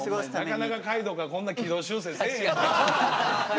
なかなか海人がこんな軌道修正せえへんで。